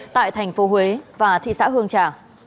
tại thành phố huế và thị xã hương trà